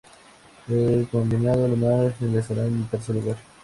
El combinado alemán finalizaría en el tercer lugar.